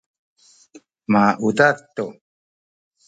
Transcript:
maudad tu